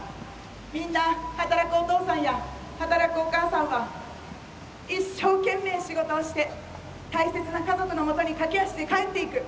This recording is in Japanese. みんな働くお父さんや働くお母さんは一生懸命仕事をして大切な家族のもとに駆け足で帰っていく。